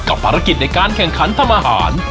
ภารกิจในการแข่งขันทำอาหาร